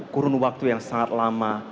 kurun waktu yang sangat lama